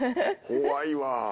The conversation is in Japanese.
怖いわ。